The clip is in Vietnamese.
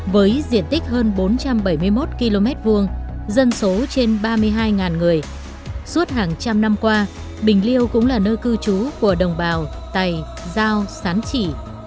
với diện tích hơn bốn trăm bảy mươi một km hai dân số trên ba mươi hai người suốt hàng trăm năm qua bình liêu cũng là nơi cư trú của đồng bào tày giao sán chỉ